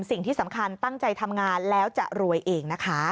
สิ่งที่สำคัญตั้งใจทำงานแล้วจะรวยเองนะคะ